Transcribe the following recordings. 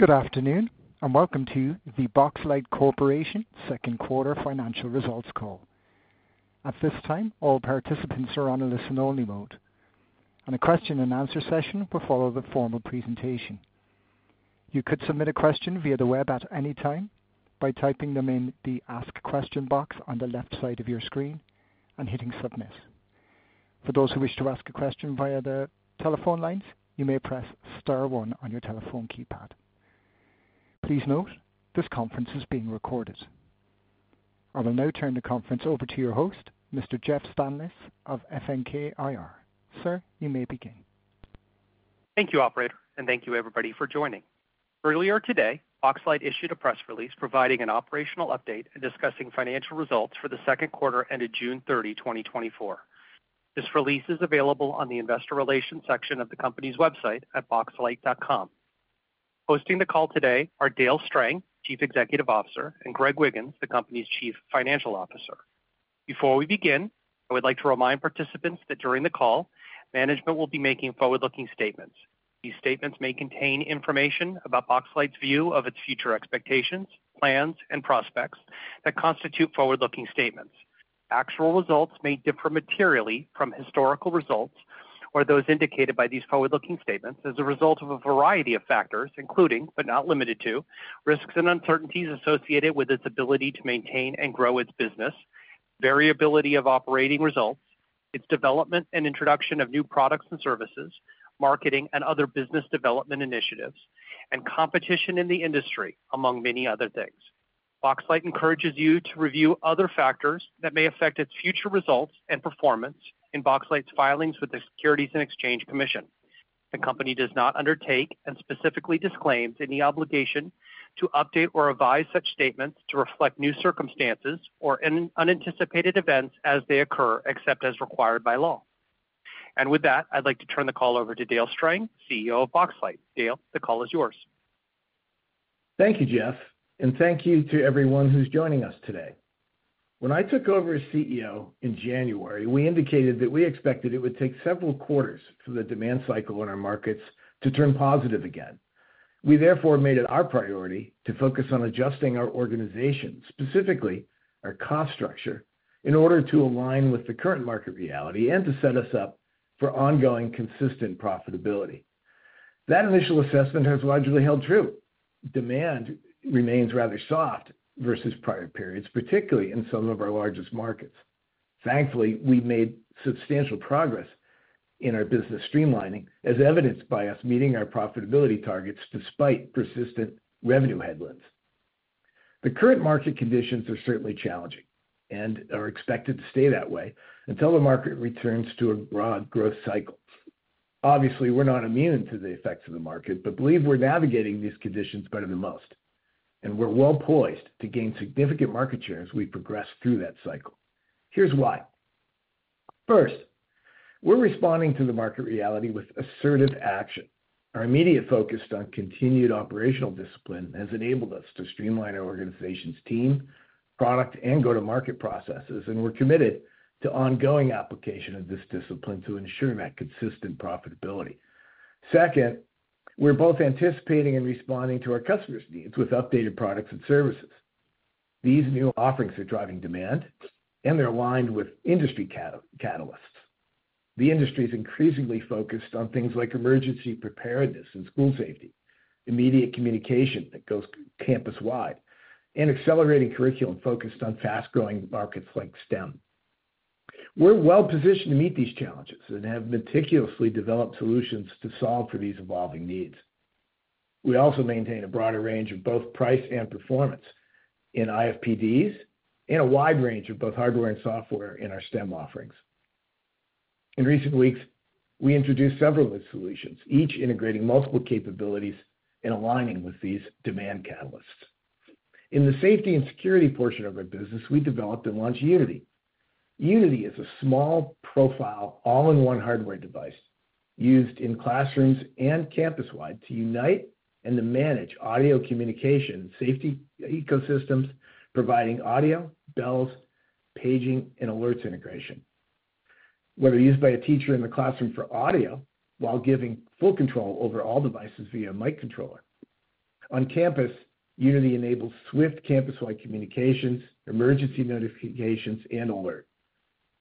Good afternoon, and welcome to the Boxlight Corporation second quarter financial results call. At this time, all participants are on a listen-only mode, and the question-and-answer session will follow the formal presentation. You could submit a question via the web at any time by typing them in the Ask Question box on the left side of your screen and hitting Submit. For those who wish to ask a question via the telephone lines, you may press Star 1 on your telephone keypad. Please note, this conference is being recorded. I will now turn the conference over to your host, Mr. Jeff Stanlis of FNK IR. Sir, you may begin. Thank you, Operator, and thank you, everybody, for joining. Earlier today, Boxlight issued a press release providing an operational update and discussing financial results for the second quarter ended June 30, 2024. This release is available on the Investor Relations section of the company's website at boxlight.com. Hosting the call today are Dale Strang, Chief Executive Officer, and Greg Wiggins, the company's Chief Financial Officer. Before we begin, I would like to remind participants that during the call, management will be making forward-looking statements. These statements may contain information about Boxlight's view of its future expectations, plans, and prospects that constitute forward-looking statements. Actual results may differ materially from historical results or those indicated by these forward-looking statements as a result of a variety of factors, including, but not limited to, risks and uncertainties associated with its ability to maintain and grow its business, variability of operating results, its development and introduction of new products and services, marketing and other business development initiatives, and competition in the industry, among many other things. Boxlight encourages you to review other factors that may affect its future results and performance in Boxlight's filings with the Securities and Exchange Commission. The company does not undertake and specifically disclaims any obligation to update or revise such statements to reflect new circumstances or unanticipated events as they occur, except as required by law. With that, I'd like to turn the call over to Dale Strang, CEO of Boxlight. Dale, the call is yours. Thank you, Jeff, and thank you to everyone who's joining us today. When I took over as CEO in January, we indicated that we expected it would take several quarters for the demand cycle in our markets to turn positive again. We, therefore, made it our priority to focus on adjusting our organization, specifically our cost structure, in order to align with the current market reality and to set us up for ongoing consistent profitability. That initial assessment has largely held true. Demand remains rather soft versus prior periods, particularly in some of our largest markets. Thankfully, we've made substantial progress in our business streamlining, as evidenced by us meeting our profitability targets despite persistent revenue headwinds. The current market conditions are certainly challenging and are expected to stay that way until the market returns to a broad growth cycle. Obviously, we're not immune to the effects of the market, but believe we're navigating these conditions better than most, and we're well poised to gain significant market share as we progress through that cycle. Here's why. First, we're responding to the market reality with assertive action. Our immediate focus on continued operational discipline has enabled us to streamline our organization's team, product, and go-to-market processes, and we're committed to ongoing application of this discipline to ensure that consistent profitability. Second, we're both anticipating and responding to our customers' needs with updated products and services. These new offerings are driving demand, and they're aligned with industry catalysts. The industry is increasingly focused on things like emergency preparedness and school safety, immediate communication that goes campus-wide, and accelerating curriculum focused on fast-growing markets like STEM. We're well positioned to meet these challenges and have meticulously developed solutions to solve for these evolving needs. We also maintain a broader range of both price and performance in IFPDs and a wide range of both hardware and software in our STEM offerings. In recent weeks, we introduced several of the solutions, each integrating multiple capabilities and aligning with these demand catalysts. In the safety and security portion of our business, we developed and launched Unity. Unity is a small-profile, all-in-one hardware device used in classrooms and campus-wide to unite and manage audio communication safety ecosystems, providing audio, bells, paging, and alerts integration. Whether used by a teacher in the classroom for audio while giving full control over all devices via a mic controller, on campus, Unity enables swift campus-wide communications, emergency notifications, and alerts,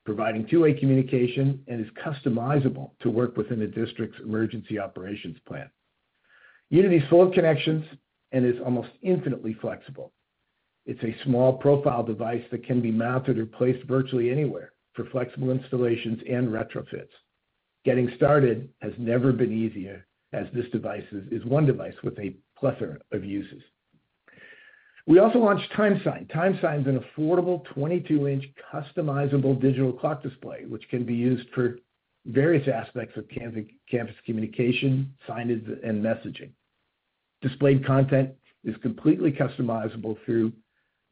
providing two-way communication and is customizable to work within the district's emergency operations plan. Unity's full of connections and is almost infinitely flexible. It's a small-profile device that can be mounted or placed virtually anywhere for flexible installations and retrofits. Getting started has never been easier, as this device is one device with a plethora of uses. We also launched TimeSign. TimeSign is an affordable 22-inch customizable digital clock display, which can be used for various aspects of campus communication, signage, and messaging. Displayed content is completely customizable through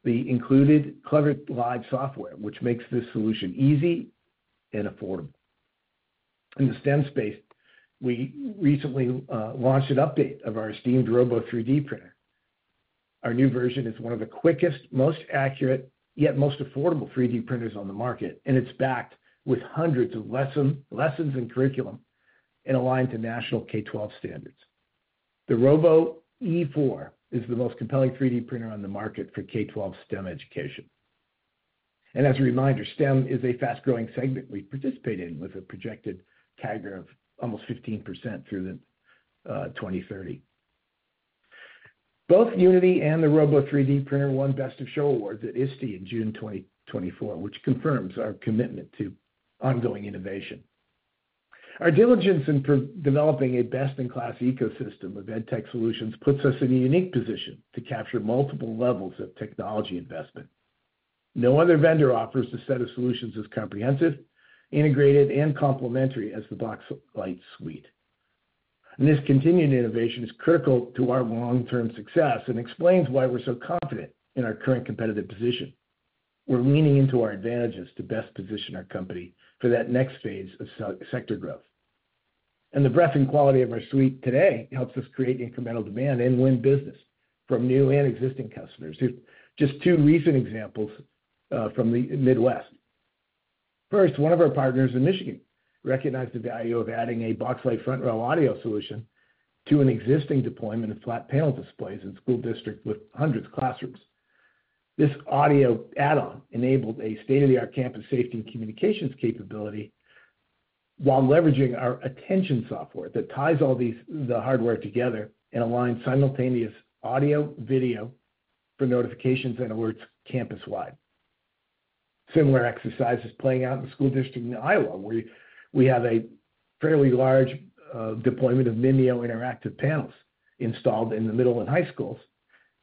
the included CleverLive software, which makes this solution easy and affordable. In the STEM space, we recently launched an update of our STEM Robo 3D printer. Our new version is one of the quickest, most accurate, yet most affordable 3D printers on the market, and it's backed with hundreds of lessons and curriculum and aligned to national K-12 standards. The Robo E4 is the most compelling 3D printer on the market for K-12 STEM education. As a reminder, STEM is a fast-growing segment we participate in with a projected CAGR of almost 15% through 2030. Both Unity and the Robo 3D printer won Best of Show awards at ISTE in June 2024, which confirms our commitment to ongoing innovation. Our diligence in developing a best-in-class ecosystem of EdTech solutions puts us in a unique position to capture multiple levels of technology investment. No other vendor offers a set of solutions as comprehensive, integrated, and complementary as the Boxlight suite. This continued innovation is critical to our long-term success and explains why we're so confident in our current competitive position. We're leaning into our advantages to best position our company for that next phase of sector growth. The breadth and quality of our suite today helps us create incremental demand and win business from new and existing customers. Just two recent examples from the Midwest. First, one of our partners in Michigan recognized the value of adding a Boxlight FrontRow audio solution to an existing deployment of flat panel displays in school districts with hundreds of classrooms. This audio add-on enabled a state-of-the-art campus safety and communications capability while leveraging our Attention software that ties all the hardware together and aligns simultaneous audio, video for notifications and alerts campus-wide. Similar exercise is playing out in the school district in Iowa, where we have a fairly large deployment of Mimio interactive panels installed in the middle and high schools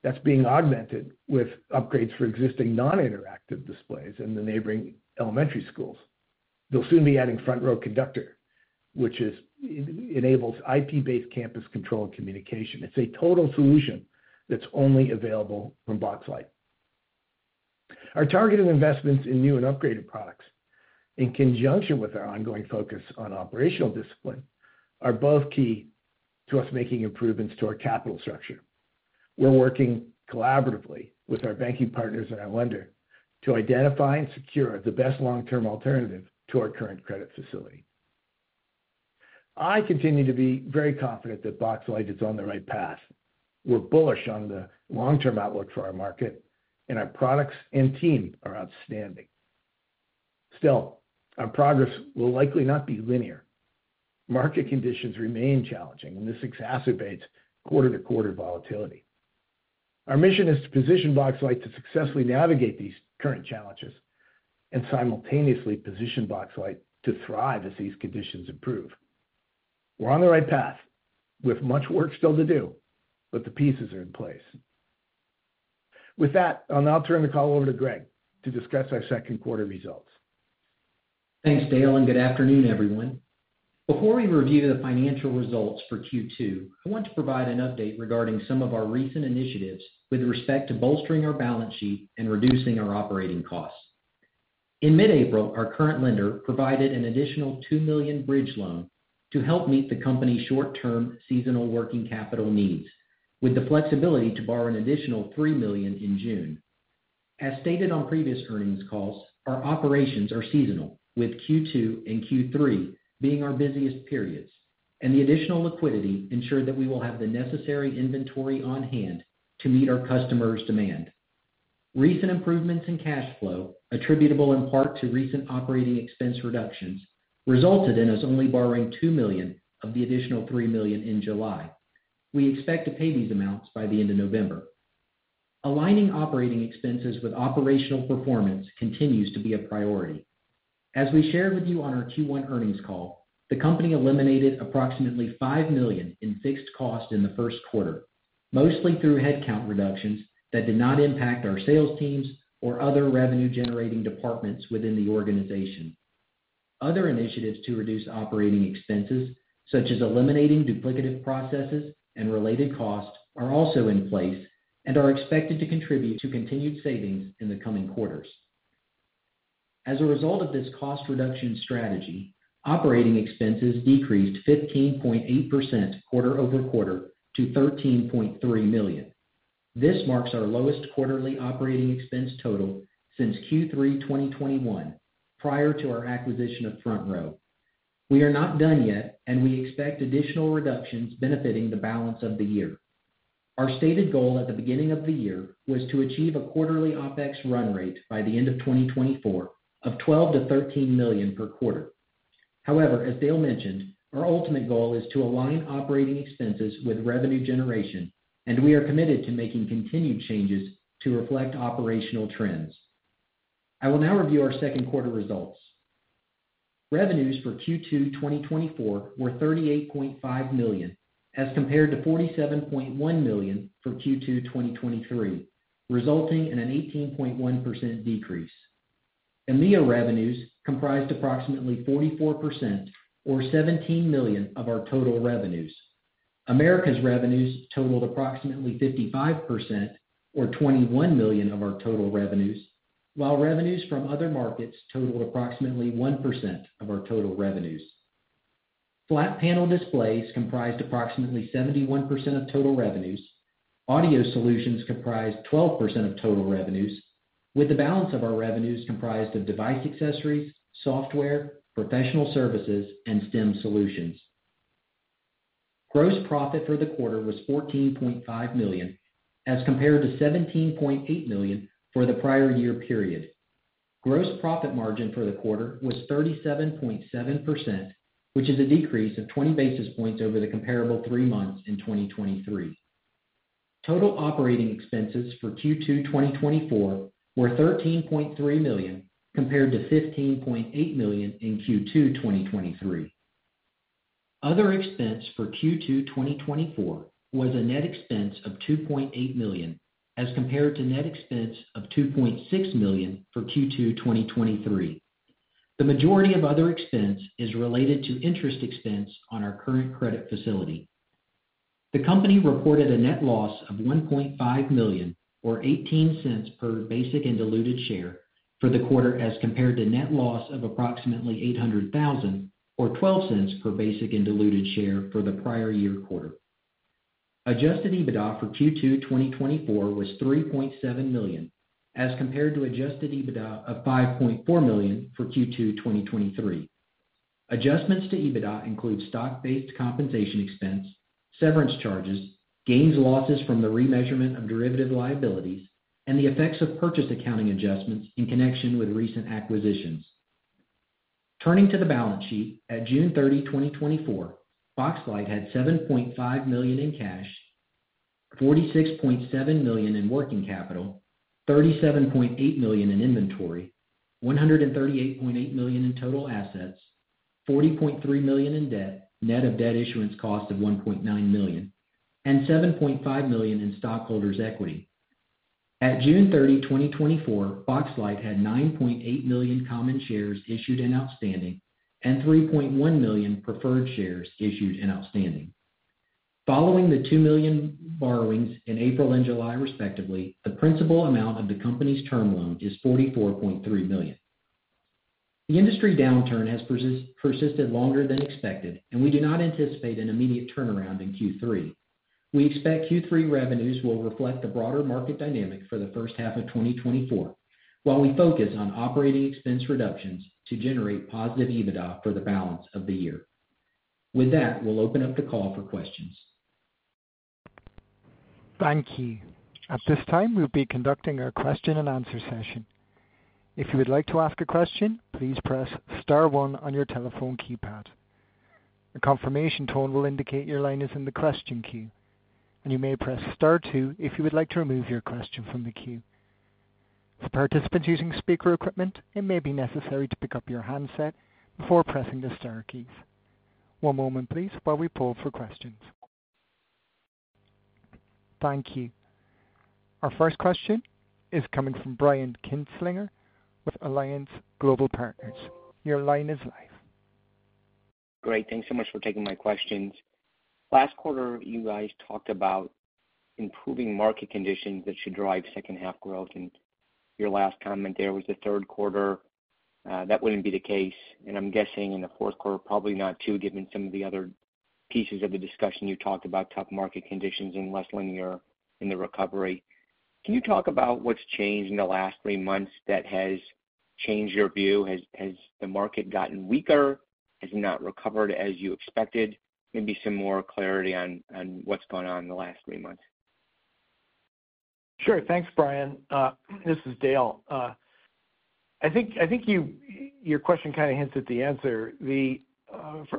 that's being augmented with upgrades for existing non-interactive displays in the neighboring elementary schools. They'll soon be adding FrontRow Conductor, which enables IP-based campus control and communication. It's a total solution that's only available from Boxlight. Our targeted investments in new and upgraded products, in conjunction with our ongoing focus on operational discipline, are both key to us making improvements to our capital structure. We're working collaboratively with our banking partners and our lender to identify and secure the best long-term alternative to our current credit facility. I continue to be very confident that Boxlight is on the right path. We're bullish on the long-term outlook for our market, and our products and team are outstanding. Still, our progress will likely not be linear. Market conditions remain challenging, and this exacerbates quarter-to-quarter volatility. Our mission is to position Boxlight to successfully navigate these current challenges and simultaneously position Boxlight to thrive as these conditions improve. We're on the right path with much work still to do, but the pieces are in place. With that, I'll now turn the call over to Greg to discuss our second quarter results. Thanks, Dale, and good afternoon, everyone. Before we review the financial results for Q2, I want to provide an update regarding some of our recent initiatives with respect to bolstering our balance sheet and reducing our operating costs. In mid-April, our current lender provided an additional $2 million bridge loan to help meet the company's short-term seasonal working capital needs, with the flexibility to borrow an additional $3 million in June. As stated on previous earnings calls, our operations are seasonal, with Q2 and Q3 being our busiest periods, and the additional liquidity ensured that we will have the necessary inventory on hand to meet our customers' demand. Recent improvements in cash flow, attributable in part to recent operating expense reductions, resulted in us only borrowing $2 million of the additional $3 million in July. We expect to pay these amounts by the end of November. Aligning operating expenses with operational performance continues to be a priority. As we shared with you on our Q1 earnings call, the company eliminated approximately $5 million in fixed cost in the first quarter, mostly through headcount reductions that did not impact our sales teams or other revenue-generating departments within the organization. Other initiatives to reduce operating expenses, such as eliminating duplicative processes and related costs, are also in place and are expected to contribute to continued savings in the coming quarters. As a result of this cost reduction strategy, operating expenses decreased 15.8% quarter over quarter to $13.3 million. This marks our lowest quarterly operating expense total since Q3 2021 prior to our acquisition of FrontRow. We are not done yet, and we expect additional reductions benefiting the balance of the year. Our stated goal at the beginning of the year was to achieve a quarterly OpEx run rate by the end of 2024 of $12-$13 million per quarter. However, as Dale mentioned, our ultimate goal is to align operating expenses with revenue generation, and we are committed to making continued changes to reflect operational trends. I will now review our second quarter results. Revenues for Q2 2024 were $38.5 million as compared to $47.1 million for Q2 2023, resulting in an 18.1% decrease. Mimio revenues comprised approximately 44% or $17 million of our total revenues. Americas revenues totaled approximately 55% or $21 million of our total revenues, while revenues from other markets totaled approximately 1% of our total revenues. Flat panel displays comprised approximately 71% of total revenues. Audio solutions comprised 12% of total revenues, with the balance of our revenues comprised of device accessories, software, professional services, and STEM solutions. Gross profit for the quarter was $14.5 million as compared to $17.8 million for the prior year period. Gross profit margin for the quarter was 37.7%, which is a decrease of 20 basis points over the comparable three months in 2023. Total operating expenses for Q2 2024 were $13.3 million compared to $15.8 million in Q2 2023. Other expense for Q2 2024 was a net expense of $2.8 million as compared to net expense of $2.6 million for Q2 2023. The majority of other expense is related to interest expense on our current credit facility. The company reported a net loss of $1.5 million or $0.18 per basic and diluted share for the quarter as compared to net loss of approximately $800,000 or $0.12 per basic and diluted share for the prior year quarter. Adjusted EBITDA for Q2 2024 was $3.7 million as compared to Adjusted EBITDA of $5.4 million for Q2 2023. Adjustments to EBITDA include stock-based compensation expense, severance charges, gains/losses from the remeasurement of derivative liabilities, and the effects of purchase accounting adjustments in connection with recent acquisitions. Turning to the balance sheet, at June 30, 2024, Boxlight had $7.5 million in cash, $46.7 million in working capital, $37.8 million in inventory, $138.8 million in total assets, $40.3 million in debt, net of debt issuance cost of $1.9 million, and $7.5 million in stockholders' equity. At June 30, 2024, Boxlight had $9.8 million common shares issued and outstanding and $3.1 million preferred shares issued and outstanding. Following the $2 million borrowings in April and July, respectively, the principal amount of the company's term loan is $44.3 million. The industry downturn has persisted longer than expected, and we do not anticipate an immediate turnaround in Q3. We expect Q3 revenues will reflect the broader market dynamic for the first half of 2024, while we focus on operating expense reductions to generate positive EBITDA for the balance of the year. With that, we'll open up the call for questions. Thank you. At this time, we'll be conducting a question-and-answer session. If you would like to ask a question, please press Star 1 on your telephone keypad. A confirmation tone will indicate your line is in the question queue, and you may press Star 2 if you would like to remove your question from the queue. For participants using speaker equipment, it may be necessary to pick up your handset before pressing the Star keys. One moment, please, while we poll for questions. Thank you. Our first question is coming from Brian Kinstlinger with Alliance Global Partners. Your line is live. Great. Thanks so much for taking my questions. Last quarter, you guys talked about improving market conditions that should drive second-half growth, and your last comment there was the third quarter that wouldn't be the case. I'm guessing in the fourth quarter, probably not too, given some of the other pieces of the discussion you talked about, tough market conditions and less linear in the recovery. Can you talk about what's changed in the last three months that has changed your view? Has the market gotten weaker? Has it not recovered as you expected? Maybe some more clarity on what's gone on in the last three months. Sure. Thanks, Brian. This is Dale. I think your question kind of hints at the answer.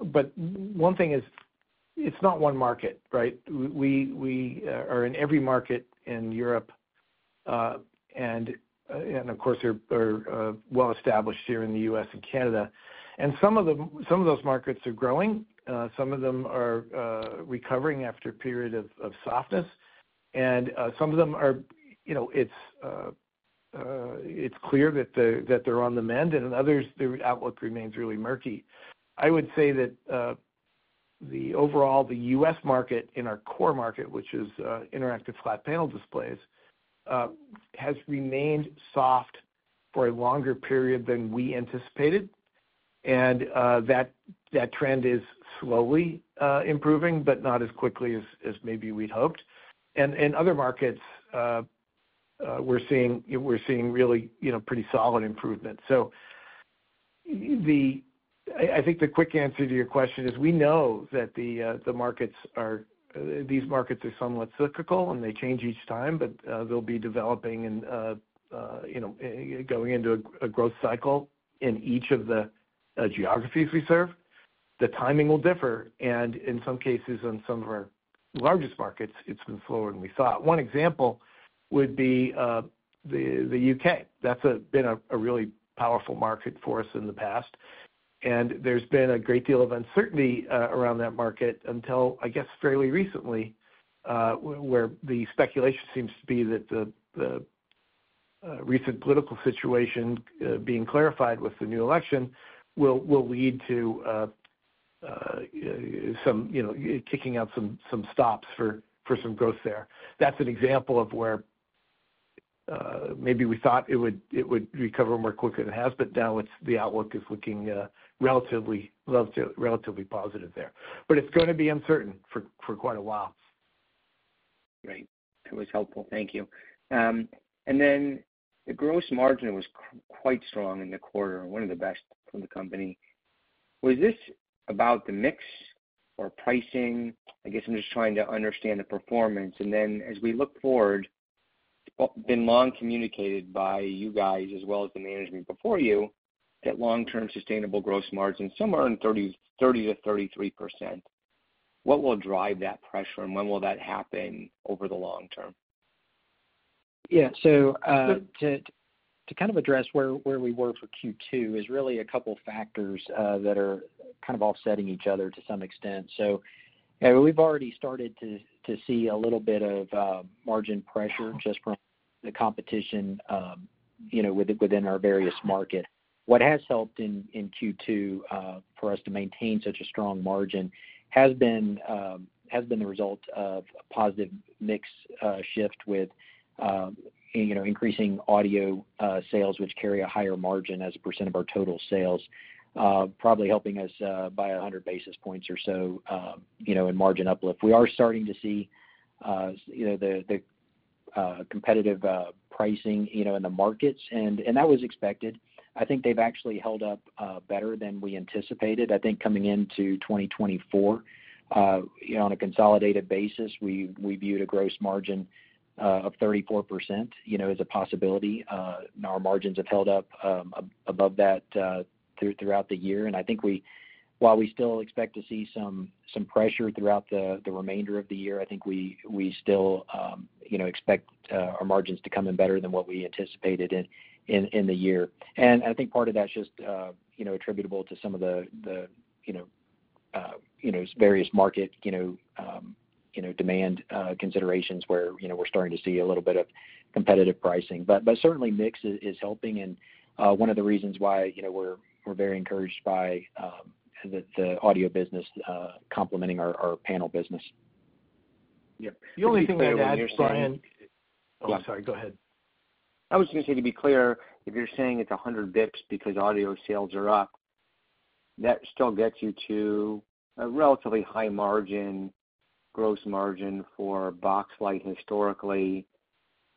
But one thing is, it's not one market, right? We are in every market in Europe, and of course, are well established here in the U.S. and Canada. And some of those markets are growing. Some of them are recovering after a period of softness. And some of them, it's clear that they're on the mend, and in others, their outlook remains really murky. I would say that overall, the U.S. market, in our core market, which is interactive flat panel displays, has remained soft for a longer period than we anticipated. And that trend is slowly improving, but not as quickly as maybe we'd hoped. And in other markets, we're seeing really pretty solid improvement. So I think the quick answer to your question is we know that these markets are somewhat cyclical, and they change each time, but they'll be developing and going into a growth cycle in each of the geographies we serve. The timing will differ. In some cases, in some of our largest markets, it's been slower than we thought. One example would be the UK. That's been a really powerful market for us in the past. There's been a great deal of uncertainty around that market until, I guess, fairly recently, where the speculation seems to be that the recent political situation, being clarified with the new election, will lead to kicking out some stops for some growth there. That's an example of where maybe we thought it would recover more quickly than it has, but now the outlook is looking relatively positive there. But it's going to be uncertain for quite a while. Great. That was helpful. Thank you. And then the gross margin was quite strong in the quarter, one of the best from the company. Was this about the mix or pricing? I guess I'm just trying to understand the performance. And then as we look forward, it's been long communicated by you guys as well as the management before you that long-term sustainable gross margin is somewhere in 30%-33%. What will drive that pressure, and when will that happen over the long term? Yeah. So to kind of address where we were for Q2, there's really a couple of factors that are kind of offsetting each other to some extent. So we've already started to see a little bit of margin pressure just from the competition within our various markets. What has helped in Q2 for us to maintain such a strong margin has been the result of a positive mix shift with increasing audio sales, which carry a higher margin as a percent of our total sales, probably helping us by 100 basis points or so in margin uplift. We are starting to see the competitive pricing in the markets, and that was expected. I think they've actually held up better than we anticipated. I think coming into 2024, on a consolidated basis, we viewed a gross margin of 34% as a possibility. Our margins have held up above that throughout the year. I think while we still expect to see some pressure throughout the remainder of the year, I think we still expect our margins to come in better than what we anticipated in the year. I think part of that's just attributable to some of the various market demand considerations where we're starting to see a little bit of competitive pricing. But certainly, mix is helping, and one of the reasons why we're very encouraged by the audio business complementing our panel business. Yep. The only thing I would add, Brian. If you're saying. Oh, I'm sorry. Go ahead. I was going to say, to be clear, if you're saying it's 100 basis points because audio sales are up, that still gets you to a relatively high margin, gross margin for Boxlight historically.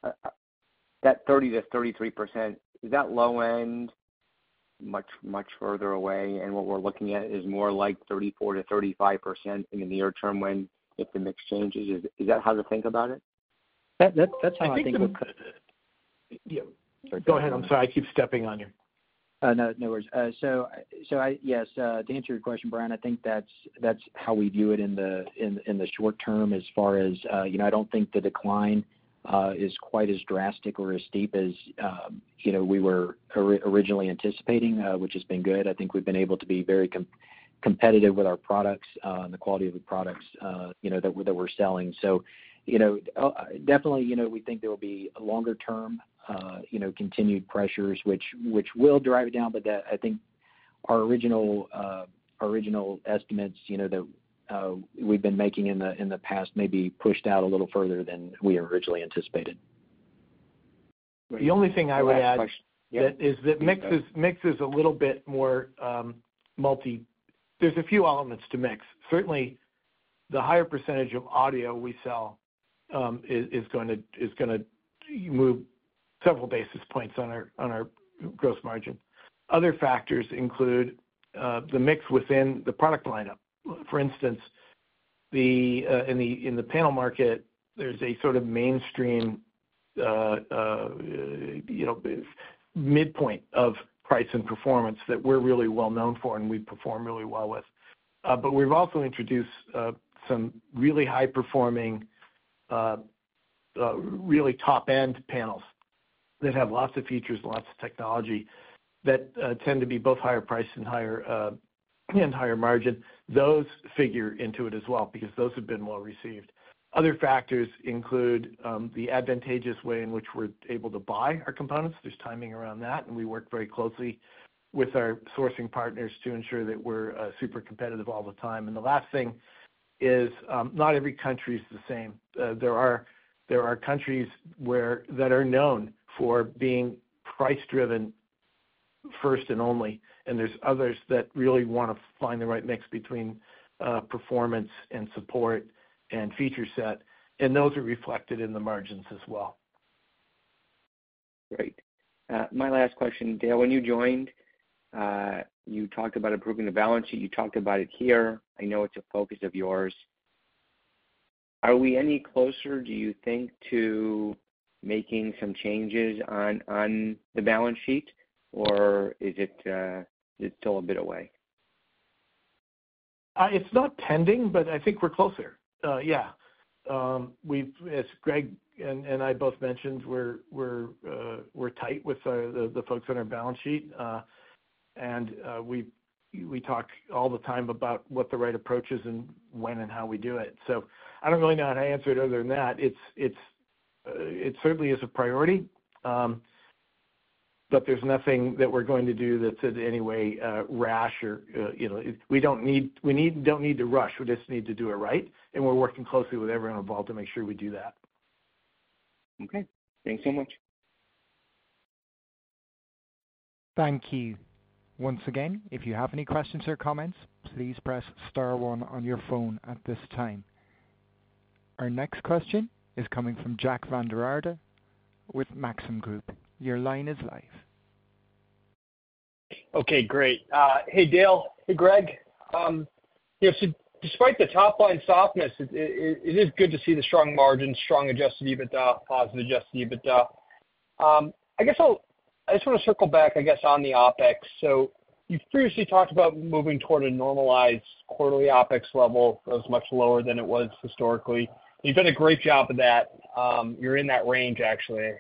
That 30%-33%, is that low end much, much further away? And what we're looking at is more like 34%-35% in the near term when the mix changes. Is that how to think about it? That's how I think of. I think of. Yeah. Sorry. Go ahead. I'm sorry. I keep stepping on you. No, no worries. So yes, to answer your question, Brian, I think that's how we view it in the short term as far as I don't think the decline is quite as drastic or as steep as we were originally anticipating, which has been good. I think we've been able to be very competitive with our products and the quality of the products that we're selling. So definitely, we think there will be longer-term continued pressures, which will drive it down, but I think our original estimates that we've been making in the past may be pushed out a little further than we originally anticipated. The only thing I would add. Last question. That mix is a little bit more multi, there's a few elements to mix. Certainly, the higher percentage of audio we sell is going to move several basis points on our gross margin. Other factors include the mix within the product lineup. For instance, in the panel market, there's a sort of mainstream midpoint of price and performance that we're really well known for and we perform really well with. But we've also introduced some really high-performing, really top-end panels that have lots of features, lots of technology that tend to be both higher priced and higher margin. Those figure into it as well because those have been well received. Other factors include the advantageous way in which we're able to buy our components. There's timing around that, and we work very closely with our sourcing partners to ensure that we're super competitive all the time. The last thing is not every country is the same. There are countries that are known for being price-driven first and only, and there's others that really want to find the right mix between performance and support and feature set. Those are reflected in the margins as well. Great. My last question, Dale. When you joined, you talked about improving the balance sheet. You talked about it here. I know it's a focus of yours. Are we any closer, do you think, to making some changes on the balance sheet, or is it still a bit away? It's not pending, but I think we're closer. Yeah. As Greg and I both mentioned, we're tight with the folks on our balance sheet, and we talk all the time about what the right approach is and when and how we do it. So I don't really know how to answer it other than that. It certainly is a priority, but there's nothing that we're going to do that's in any way rash. We don't need to rush. We just need to do it right. We're working closely with everyone involved to make sure we do that. Okay. Thanks so much. Thank you. Once again, if you have any questions or comments, please press Star 1 on your phone at this time. Our next question is coming from Jack Vanderrrrrrrr Aarde with Maxim Group. Your line is live. Okay. Great. Hey, Dale. Hey, Greg. So despite the top-line softness, it is good to see the strong margins, strong Adjusted EBITDA, positive Adjusted EBITDA. I guess I just want to circle back, I guess, on the OpEx. So you've previously talked about moving toward a normalized quarterly OpEx level that was much lower than it was historically. You've done a great job of that. You're in that range, actually,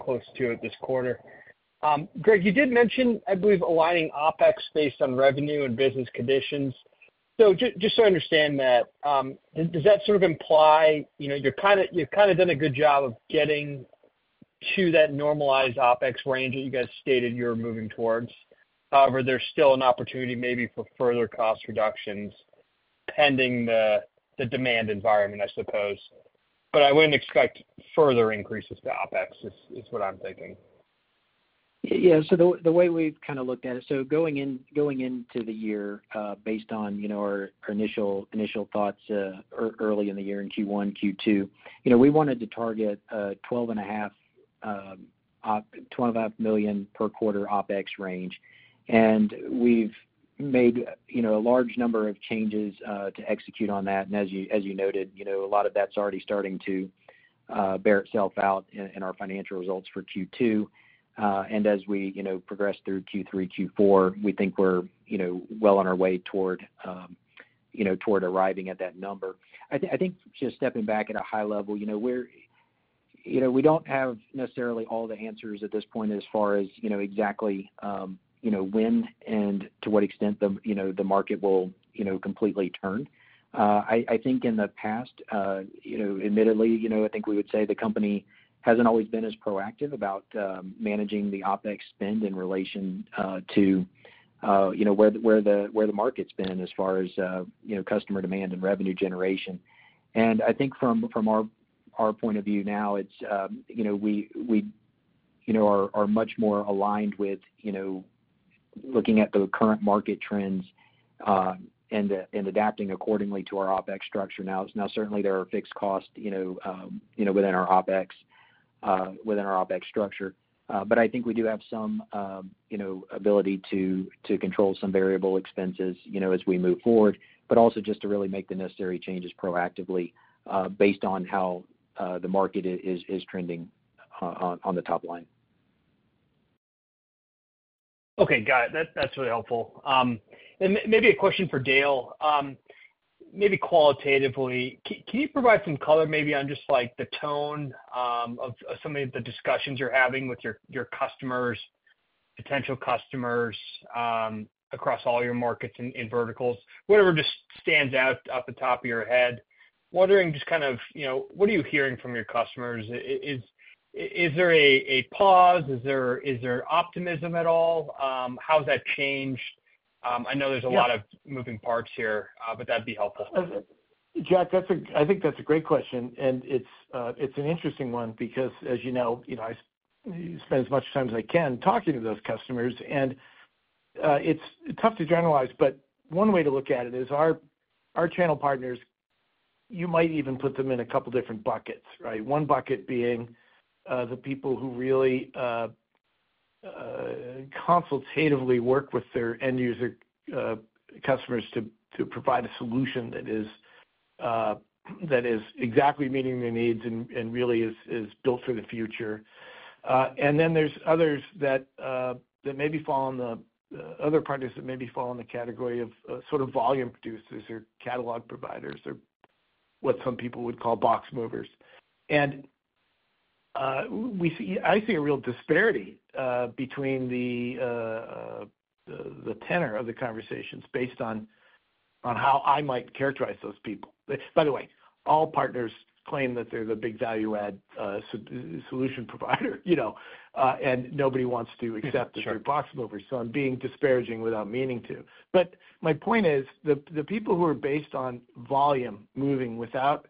close to it this quarter. Greg, you did mention, I believe, aligning OpEx based on revenue and business conditions. So just so I understand that, does that sort of imply you've kind of done a good job of getting to that normalized OpEx range that you guys stated you were moving towards? However, there's still an opportunity maybe for further cost reductions pending the demand environment, I suppose. But I wouldn't expect further increases to OpEx is what I'm thinking. Yeah. So the way we've kind of looked at it, so going into the year based on our initial thoughts early in the year in Q1, Q2, we wanted to target $12.5 million per quarter OpEx range. And we've made a large number of changes to execute on that. And as you noted, a lot of that's already starting to bear itself out in our financial results for Q2. And as we progress through Q3, Q4, we think we're well on our way toward arriving at that number. I think just stepping back at a high level, we don't have necessarily all the answers at this point as far as exactly when and to what extent the market will completely turn. I think in the past, admittedly, I think we would say the company hasn't always been as proactive about managing the OpEx spend in relation to where the market's been as far as customer demand and revenue generation. I think from our point of view now, we are much more aligned with looking at the current market trends and adapting accordingly to our OpEx structure. Now, certainly, there are fixed costs within our OpEx structure. But I think we do have some ability to control some variable expenses as we move forward, but also just to really make the necessary changes proactively based on how the market is trending on the top line. Okay. Got it. That's really helpful. And maybe a question for Dale. Maybe qualitatively, can you provide some color maybe on just the tone of some of the discussions you're having with your customers, potential customers across all your markets and verticals, whatever just stands out at the top of your head? Wondering just kind of what are you hearing from your customers? Is there a pause? Is there optimism at all? How has that changed? I know there's a lot of moving parts here, but that'd be helpful. Jack, I think that's a great question. And it's an interesting one because, as you know, I spend as much time as I can talking to those customers. And it's tough to generalize, but one way to look at it is our channel partners, you might even put them in a couple of different buckets, right? One bucket being the people who really consultatively work with their end-user customers to provide a solution that is exactly meeting their needs and really is built for the future. And then there's others that maybe fall in the other partners that maybe fall in the category of sort of volume producers or catalog providers or what some people would call box movers. And I see a real disparity between the tenor of the conversations based on how I might characterize those people. By the way, all partners claim that they're the big value-add solution provider, and nobody wants to accept the term box movers, so I'm being disparaging without meaning to. But my point is the people who are based on volume moving without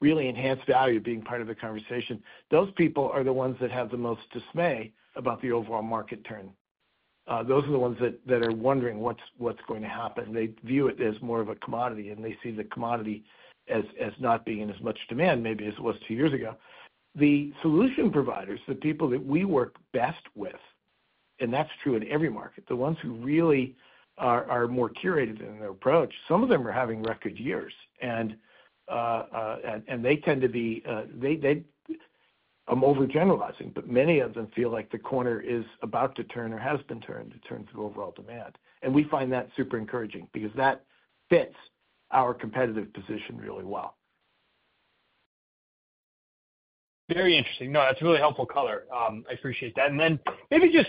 really enhanced value being part of the conversation, those people are the ones that have the most dismay about the overall market turn. Those are the ones that are wondering what's going to happen. They view it as more of a commodity, and they see the commodity as not being in as much demand maybe as it was two years ago. The solution providers, the people that we work best with, and that's true in every market, the ones who really are more curated in their approach, some of them are having record years. They tend to be, I'm overgeneralizing, but many of them feel like the corner is about to turn or has been turned in terms of overall demand. We find that super encouraging because that fits our competitive position really well. Very interesting. No, that's a really helpful color. I appreciate that. And then maybe just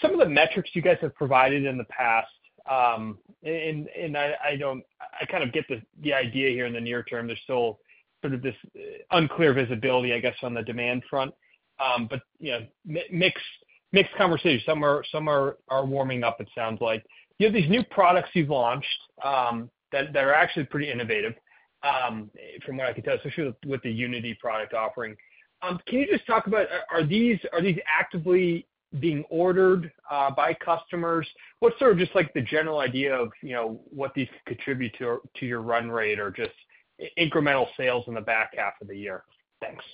some of the metrics you guys have provided in the past, and I kind of get the idea here in the near term, there's still sort of this unclear visibility, I guess, on the demand front. But mixed conversation. Some are warming up, it sounds like. You have these new products you've launched that are actually pretty innovative from what I can tell, especially with the Unity product offering. Can you just talk about are these actively being ordered by customers? What's sort of just the general idea of what these contribute to your run rate or just incremental sales in the back half of the year? Thanks.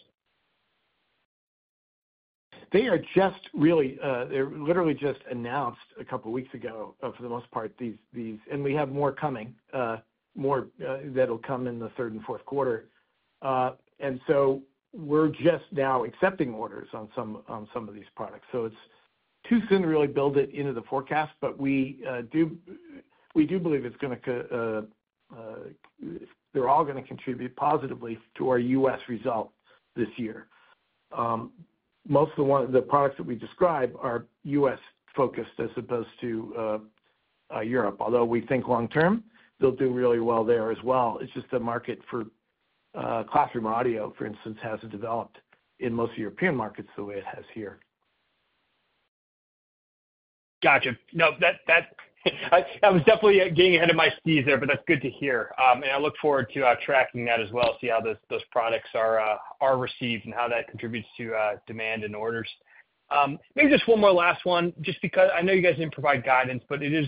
They are just really, they're literally just announced a couple of weeks ago for the most part, and we have more coming that'll come in the third and fourth quarter. And so we're just now accepting orders on some of these products. So it's too soon to really build it into the forecast, but we do believe it's going to, they're all going to contribute positively to our US result this year. Most of the products that we describe are US-focused as opposed to Europe, although we think long-term they'll do really well there as well. It's just the market for classroom audio, for instance, hasn't developed in most of the European markets the way it has here. Gotcha. No, I was definitely getting ahead of my skis there, but that's good to hear. And I look forward to tracking that as well, see how those products are received and how that contributes to demand and orders. Maybe just one more last one, just because I know you guys didn't provide guidance, but it is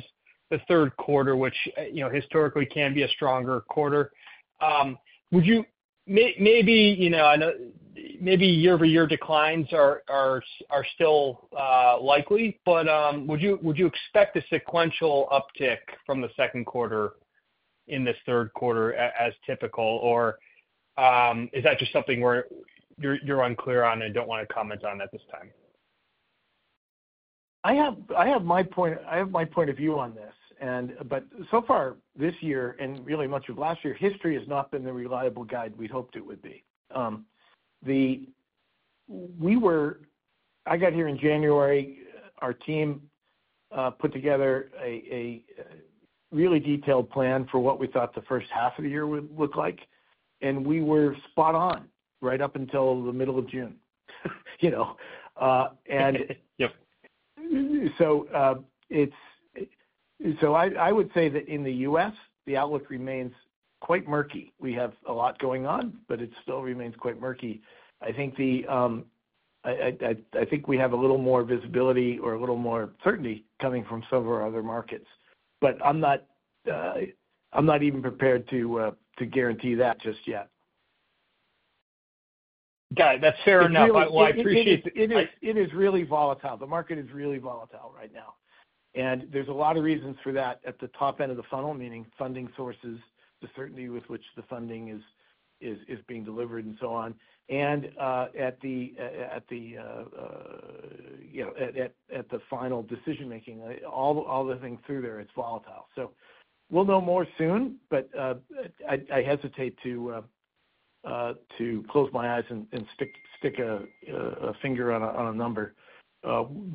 the third quarter, which historically can be a stronger quarter. Maybe year-over-year declines are still likely, but would you expect a sequential uptick from the second quarter in this third quarter as typical, or is that just something where you're unclear on and don't want to comment on at this time? I have my point. I have my point of view on this. But so far this year and really much of last year, history has not been the reliable guide we hoped it would be. I got here in January, our team put together a really detailed plan for what we thought the first half of the year would look like, and we were spot on right up until the middle of June. And so I would say that in the U.S., the outlook remains quite murky. We have a lot going on, but it still remains quite murky. I think we have a little more visibility or a little more certainty coming from some of our other markets. But I'm not even prepared to guarantee that just yet. Got it. That's fair enough. Well, I appreciate it. It is really volatile. The market is really volatile right now. And there's a lot of reasons for that at the top end of the funnel, meaning funding sources, the certainty with which the funding is being delivered, and so on. And at the final decision-making, all the things through there, it's volatile. So we'll know more soon, but I hesitate to close my eyes and stick a finger on a number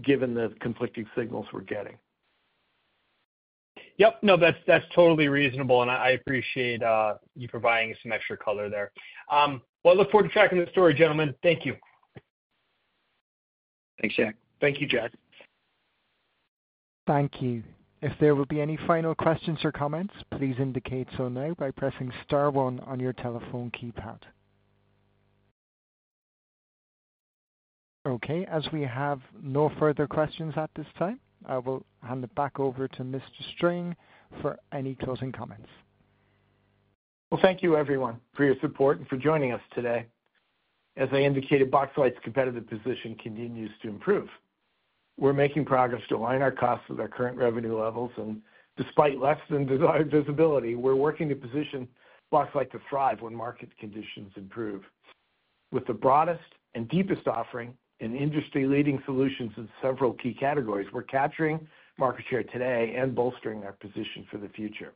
given the conflicting signals we're getting. Yep. No, that's totally reasonable. And I appreciate you providing some extra color there. Well, I look forward to tracking the story, gentlemen. Thank you. Thanks, Jack. Thank you, Jack. Thank you. If there will be any final questions or comments, please indicate so now by pressing Star 1 on your telephone keypad. Okay. As we have no further questions at this time, I will hand it back over to Mr. Strang for any closing comments. Well, thank you, everyone, for your support and for joining us today. As I indicated, Boxlight's competitive position continues to improve. We're making progress to align our costs with our current revenue levels. Despite less than desired visibility, we're working to position Boxlight to thrive when market conditions improve. With the broadest and deepest offering in industry-leading solutions in several key categories, we're capturing market share today and bolstering our position for the future.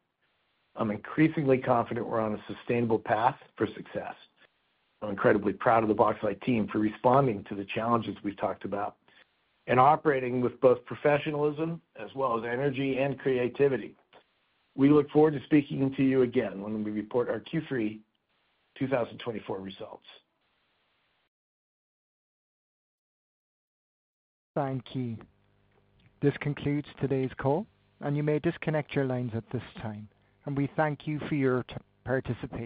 I'm increasingly confident we're on a sustainable path for success. I'm incredibly proud of the Boxlight team for responding to the challenges we've talked about and operating with both professionalism as well as energy and creativity. We look forward to speaking to you again when we report our Q3 2024 results. Thank you. This concludes today's call, and you may disconnect your lines at this time. We thank you for your participation.